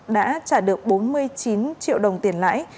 đã trả được bốn mươi chín triệu đồng tiền lãi